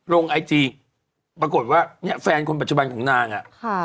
ไอจีปรากฏว่าเนี่ยแฟนคนปัจจุบันของนางอ่ะค่ะ